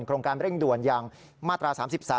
โครงการเร่งด่วนอย่างมาตรา๓๓